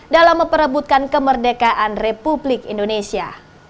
dalam memperebutkan kemerdekaan republik indonesia